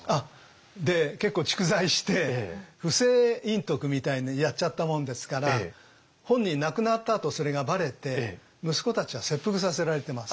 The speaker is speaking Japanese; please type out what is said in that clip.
で結構蓄財して不正隠匿みたいにやっちゃったもんですから本人亡くなったあとそれがばれて息子たちは切腹させられてます。